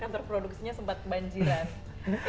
kantor produksinya sempat kebanjiran